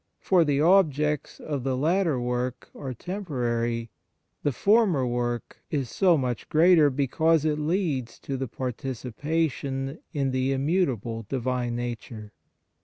For the objects of the latter work are temporary; the former work is so much greater because it leads to the participa tion in the immutable Divine Nature.